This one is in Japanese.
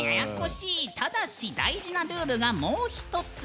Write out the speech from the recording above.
ただし大事なルールがもう１つ。